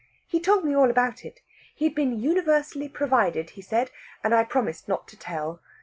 "He told me all about it. He'd been universally provided, he said; and I promised not to tell.